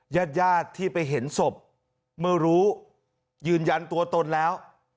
ญาติญาติที่ไปเห็นศพเมื่อรู้ยืนยันตัวตนแล้ว